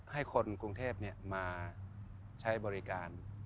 ให้คนกรุงเทพมาใช้บริการ